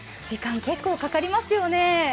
時間、結構かかりますよね？